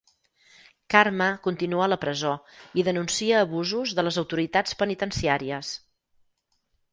Karma continua a la presó i denuncia abusos de les autoritats penitenciàries.